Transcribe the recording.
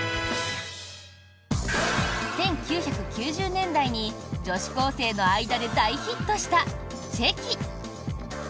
１９９０年代に女子高生の間で大ヒットしたチェキ。